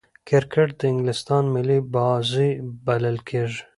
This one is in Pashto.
کرکټ د انګلستان ملي بازي بلل کیږي.